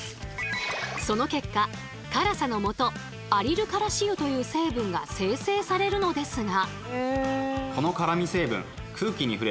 その結果辛さのもと「アリルカラシ油」という成分が生成されるのですが。